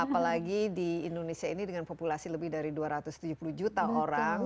apalagi di indonesia ini dengan populasi lebih dari dua ratus tujuh puluh juta orang